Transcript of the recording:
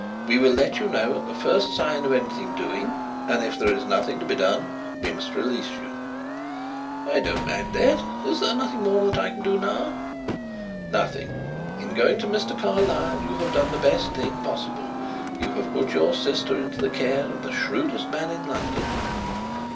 We will let you know at the first sign of anything doing and if there is nothing to be done we must release you." "I don't mind that. Is there nothing more that I can do now?" "Nothing. In going to Mr. Carlyle you have done the best thing possible; you have put your sister into the care of the shrewdest man in London."